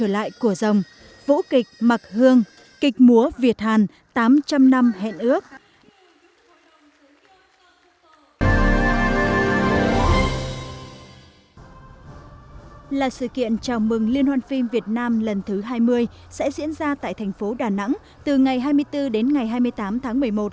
là sự kiện chào mừng liên hoan phim việt nam lần thứ hai mươi sẽ diễn ra tại thành phố đà nẵng từ ngày hai mươi bốn đến ngày hai mươi tám tháng một mươi một